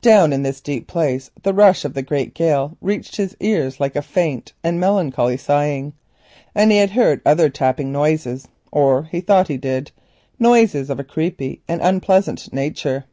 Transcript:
Down in this deep place the rush of the great gale reached his ears like a faint and melancholy sighing, and he heard other tapping noises, too, or he thought he did, noises of a creepy and unpleasant nature.